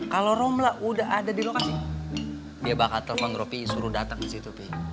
kalau romla udah ada di lokasi dia bakal telepon ropi suruh datang ke situ